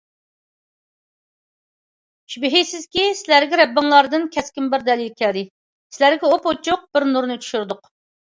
شۈبھىسىزكى، سىلەرگە رەببىڭلاردىن كەسكىن بىر دەلىل كەلدى، سىلەرگە ئوپئوچۇق بىر نۇرنى چۈشۈردۇق.